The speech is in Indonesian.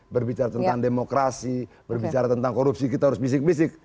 berbicara tentang demokrasi berbicara tentang korupsi kita harus bisik bisik